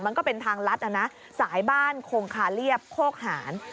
มันก็เป็นทางลัดนะนะสายบ้านโคงคาเรียบโคกหาร